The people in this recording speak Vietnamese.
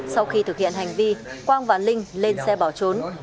sau khi thực hiện hành vi quang và linh lên xe bỏ trốn